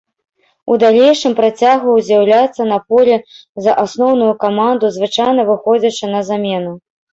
У далейшым працягваў з'яўляцца на полі за асноўную каманду, звычайна выходзячы на замену.